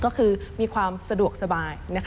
ก็คือมีความสะดวกสบาย